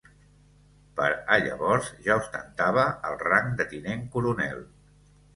Per a llavors ja ostentava el rang de tinent coronel.